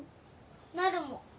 なるも。